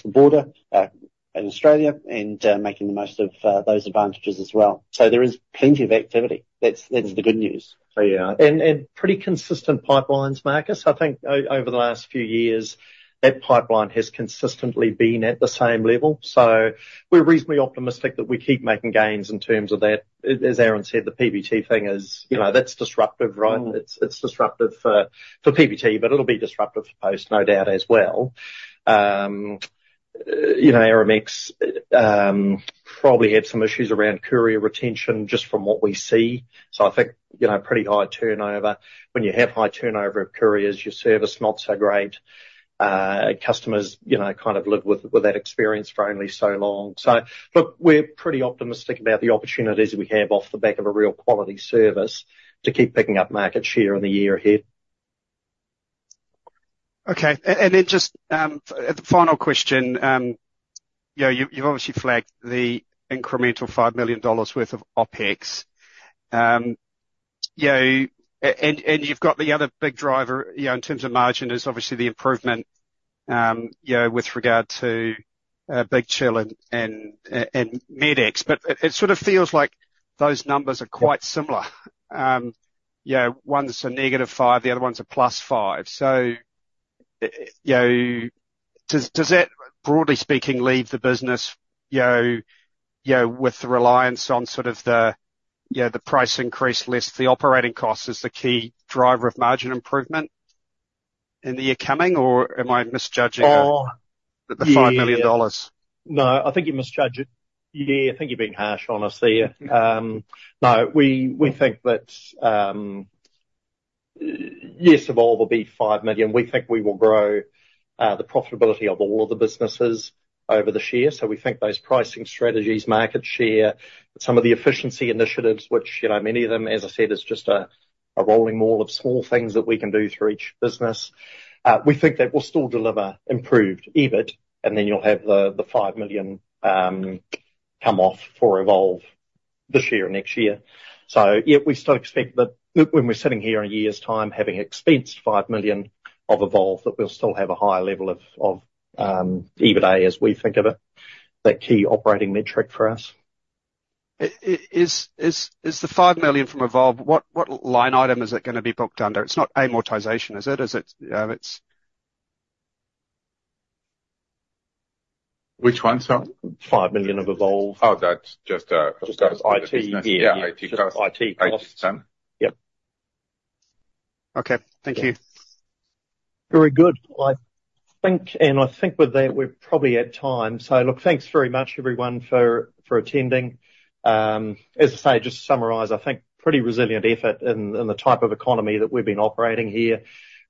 border in Australia, and making the most of those advantages as well. So there is plenty of activity. That's the good news. Pretty consistent pipelines, Marcus. I think over the last few years, that pipeline has consistently been at the same level, so we're reasonably optimistic that we keep making gains in terms of that. As Aaron said, the PBT thing is, you know, that's disruptive, right? It's disruptive for PBT, but it'll be disruptive for Post, no doubt, as well. You know, Aramex probably had some issues around courier retention, just from what we see. So I think, you know, pretty high turnover. When you have high turnover of couriers, your service is not so great. Customers, you know, kind of live with that experience for only so long. So look, we're pretty optimistic about the opportunities we have off the back of a real quality service to keep picking up market share in the year ahead. Okay. And then just the final question. You know, you've obviously flagged the incremental 5 million dollars worth of OpEx. You know, and you've got the other big driver, you know, in terms of margin, is obviously the improvement, you know, with regard to Big Chill and Med-X. But it sort of feels like those numbers are quite similar. You know, one's a -5, the other one's a +5. So, you know, does that, broadly speaking, leave the business, you know, with the reliance on sort of the price increase list, the operating cost is the key driver of margin improvement in the year coming, or am I misjudging it? Oh. The 5,000,000 dollars. Yeah. No, I think you misjudge it. Yeah, I think you're being harsh on us there. No, we think that, yes, Evolve will be 5 million. We think we will grow the profitability of all of the businesses over this year. So we think those pricing strategies, market share, some of the efficiency initiatives, which, you know, many of them, as I said, is just a rolling maul of small things that we can do through each business. We think that we'll still deliver improved EBIT, and then you'll have the five million come off for Evolve this year and next year. Yeah, we still expect that when we're sitting here in a year's time, having expensed five million of Evolve, that we'll still have a higher level of EBITDA, as we think of it, that key operating metric for us. Is the five million from Evolve, what line item is it gonna be booked under? It's not amortization, is it? Which one, sorry? 5 million of Evolve. Oh, that's just, IT costs. Okay, thank you. Very good. I think, and I think with that, we're probably at time. So look, thanks very much everyone for attending. As I say, just to summarize, I think pretty resilient effort in the type of economy that we've been operating here.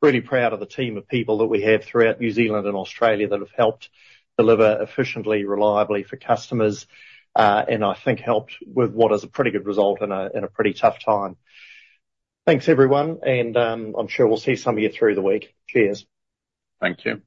Really proud of the team of people that we have throughout New Zealand and Australia that have helped deliver efficiently, reliably for customers, and I think helped with what is a pretty good result in a pretty tough time. Thanks, everyone, and I'm sure we'll see some of you through the week. Cheers. Thank you.